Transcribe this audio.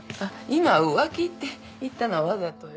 今「浮気」って言ったのはわざとよ。